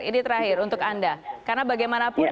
ini terakhir untuk anda karena bagaimanapun